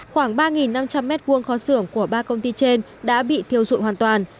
khoảng ba năm trăm linh m hai kho xưởng của ba công ty trên đã bị thiêu dụi hoàn toàn